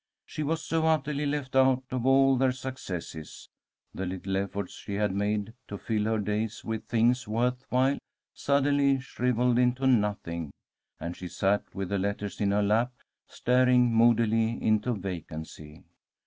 She was so utterly left out of all their successes. The little efforts she had made to fill her days with things worth while suddenly shrivelled into nothing, and she sat with the letters in her lap, staring moodily into vacancy.